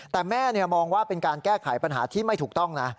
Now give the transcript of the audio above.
แต่แม่มองว่าเป็นการแก้ไขปัญหาที่ไม่ถูกต้องนะ